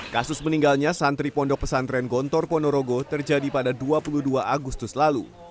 kasus meninggalnya santri pondok pesantren gontor ponorogo terjadi pada dua puluh dua agustus lalu